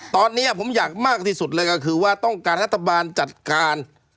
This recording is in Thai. ตอนนี้ผมอยากมากที่สุดเลยก็คือว่าต้องการรัฐบาลจัดการ